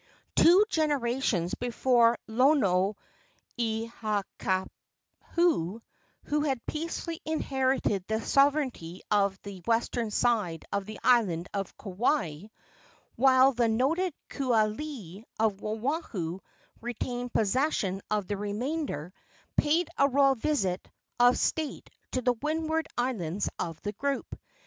Two generations before Lonoikahaupu, who had peacefully inherited the sovereignty of the western side of the island of Kauai, while the noted Kualii, of Oahu, retained possession of the remainder, paid a royal visit of state to the windward islands of the group.